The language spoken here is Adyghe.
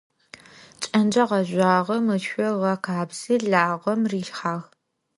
Кӏэнкӏэ гъэжъуагъэм ышъо ыгъэкъабзи лагъэм рилъхьагъ.